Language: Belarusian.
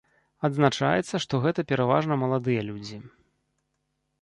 Адзначаецца, што гэта пераважна маладыя людзі.